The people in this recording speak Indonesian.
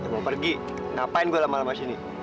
mau pergi kenapain gua lama lama sini